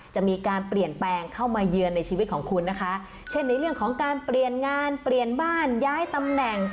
จะมีการเปลี่ยนแปลงเข้ามาเยือนในชีวิตของคุณนะคะเช่นในเรื่องของการเปลี่ยนงานเปลี่ยนบ้านย้ายตำแหน่ง